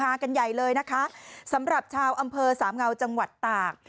กันใหญ่เลยนะคะสำหรับชาวอำเภอสามเงาจังหวัดตาก